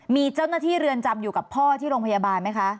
มีเจ้าหน้าที่เรือนจำอยู่กับพ่อที่โรงพยาบาลไหมคะ